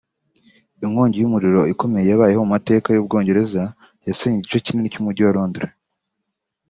Inkongi y’umuriro ikomeye yabayeho mu mateka y’ubwongereza yasenye igice kinini cy’umujyi wa Londres